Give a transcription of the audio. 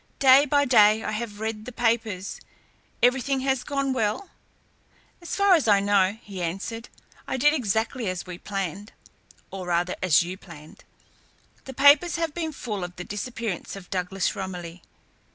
Day by day I have read the papers. Everything has gone well?" "So far as I know," he answered. "I did exactly as we planned or rather as you planned. The papers have been full of the disappearance of Douglas Romilly.